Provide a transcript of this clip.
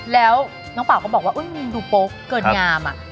แล้วน้องเป๋าก็บอกว่าอุ้ยดูโป๊กเกินงามอ่ะ